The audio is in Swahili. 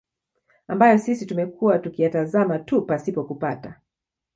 ambayo sisi tumekuwa tukiyatazama tu pasipo kupata